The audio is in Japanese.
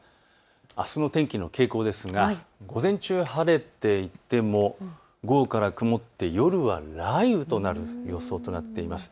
あすの天気の傾向ですが午前中晴れていても午後からは曇って夜は雷雨となる予想となっています。